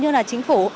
như là chính phủ